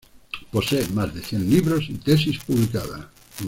Posee más de cien libros y tesis publicadas.